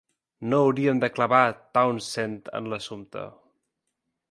No hauríem de clavar Townsend en l'assumpte.